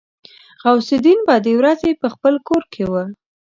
غوث الدين به د ورځې په خپل کور کې و.